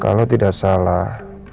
kalau tidak salah